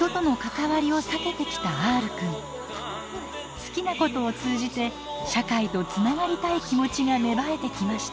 好きなことを通じて社会とつながりたい気持ちが芽生えてきました。